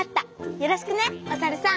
よろしくねおさるさん！